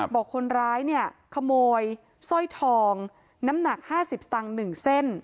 บอกคนร้ายเนี่ยขโมยสร้อยทองน้ำหนัก๕๐สตางค์๑เส้น